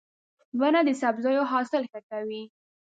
• ونه د سبزیو حاصل ښه کوي.